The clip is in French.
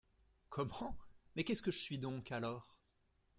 Comment ! mais qu’est-ce que je suis donc alors ?